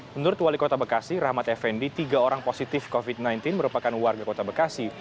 menurut wali kota bekasi rahmat effendi tiga orang positif covid sembilan belas merupakan warga kota bekasi